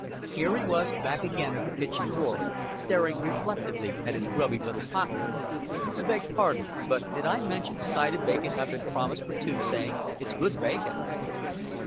Here he was back again at the kitchen door, staring reflectively at his grubby little pocketbook. "Beg pardon but did I mention the side o' bacon I've been promised for Tuesday. It's good bacon."